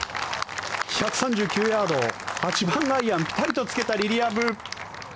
１３９ヤード８番アイアン、ピタリとつけたリリア・ブ。